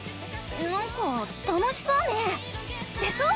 なんか楽しそうねぇ。でしょ！